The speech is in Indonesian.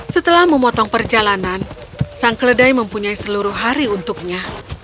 setelah memotong perjalanan sang keledai mempunyai seluruh hari untuknya